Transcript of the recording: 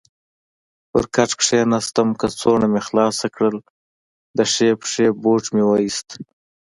پر کټ کېناستم، کڅوړه مې خلاصه کړل، د ښۍ پښې بوټ مې وایست.